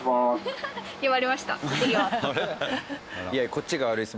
いやこっちが悪いです。